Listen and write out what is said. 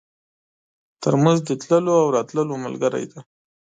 ترموز د تللو او راتلو ملګری دی.